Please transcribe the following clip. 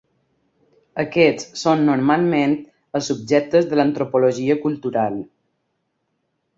Aquests són normalment els subjectes de l'antropologia cultural.